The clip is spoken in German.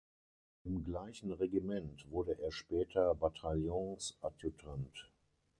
Im gleichen Regiment wurde er später Bataillonsadjutant.